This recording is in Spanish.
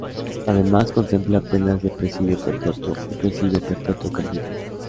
Además contempla penas de "Presidio Perpetuo" y "Presidio Perpetuo Calificado".